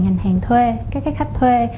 ngành hàng thuê các khách thuê